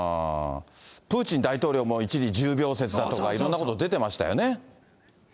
プーチン大統領も一時、重病説だとか、いろんなこと出てましたよね。